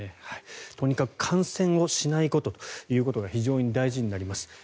とにかく感染をしないことが非常に大事になります。